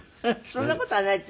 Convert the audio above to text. そんな事はないです。